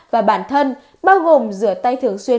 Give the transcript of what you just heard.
và bản thân bao gồm rửa tay thường xuyên